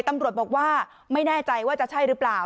ตำรวจบอกว่าไม่แน่ใจว่าจะใช่หรือเปล่า